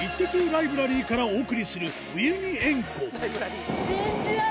ライブラリーからお送りするウユニ塩湖本当